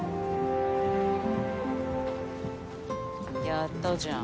やったじゃん。